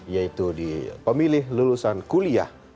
yaitu di pemilih lulusan kuliah